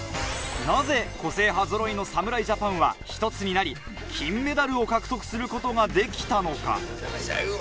なぜ個性派ぞろいの侍ジャパンは一つになり金メダルを獲得することができたのか？